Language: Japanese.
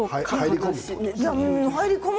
入り込む。